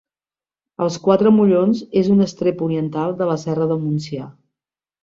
Els Quatre Mollons és un estrep oriental de la Serra del Montsià.